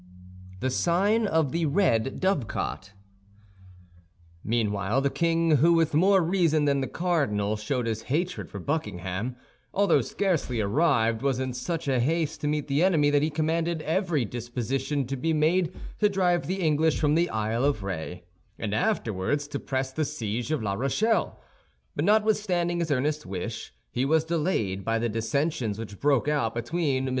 THE SIGN OF THE RED DOVECOT Meanwhile the king, who, with more reason than the cardinal, showed his hatred for Buckingham, although scarcely arrived was in such a haste to meet the enemy that he commanded every disposition to be made to drive the English from the Isle of Ré, and afterward to press the siege of La Rochelle; but notwithstanding his earnest wish, he was delayed by the dissensions which broke out between MM.